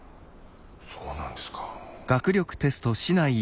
そうなんですか。